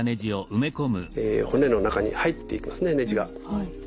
骨の中に入っていきますねねじが。